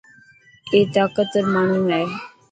اي طاقتور ماڻهو هي.